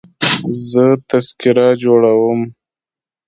زه تذکره جوړوم.